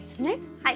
はい。